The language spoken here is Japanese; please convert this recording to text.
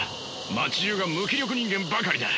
街じゅうが無気力人間ばかりだ。